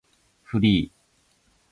フリー